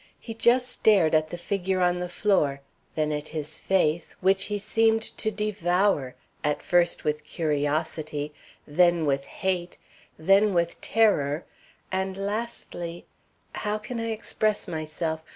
He just stared at the figure on the floor; then at his face, which he seemed to devour, at first with curiosity, then with hate, then with terror, and lastly how can I express myself?